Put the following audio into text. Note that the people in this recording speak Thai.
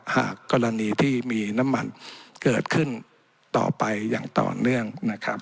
หากกรณีที่มีน้ำมันเกิดขึ้นต่อไปอย่างต่อเนื่องนะครับ